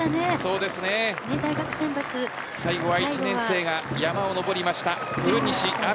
最後は１年生が山を上りました、古西亜海。